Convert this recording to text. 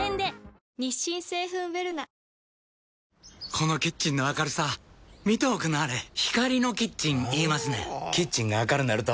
このキッチンの明るさ見ておくんなはれ光のキッチン言いますねんほぉキッチンが明るなると・・・